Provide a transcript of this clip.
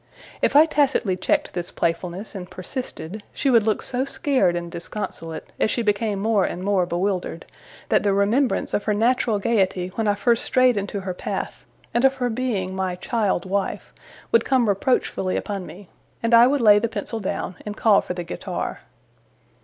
If I tacitly checked this playfulness, and persisted, she would look so scared and disconsolate, as she became more and more bewildered, that the remembrance of her natural gaiety when I first strayed into her path, and of her being my child wife, would come reproachfully upon me; and I would lay the pencil down, and call for the guitar.